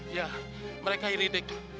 iya mereka ini dik